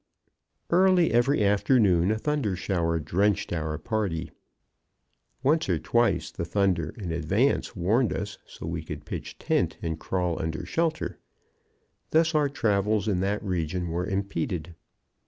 Early every afternoon a thunder shower drenched our party. Once or twice the thunder in advance warned us so we could pitch tent and crawl under shelter. Thus our travels in that region were impeded.